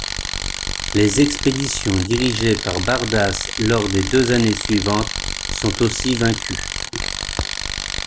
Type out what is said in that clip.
Les expéditions dirigées par Bardas lors des deux années suivantes sont aussi vaincues.